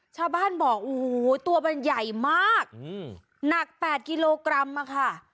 ชาวบ้านบอกโอ้โหตัวมันใหญ่มากหนัก๘กิโลกรัมอะค่ะ